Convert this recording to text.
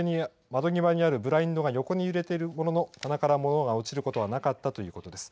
窓際にあるブラインドが横に揺れているものの、棚から物が落ちることはなかったということです。